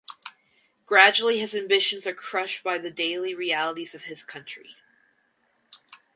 Gradually his ambitions are crushed by the daily realities of his country.